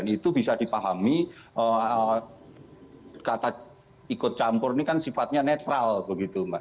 itu bisa dipahami kata ikut campur ini kan sifatnya netral begitu mbak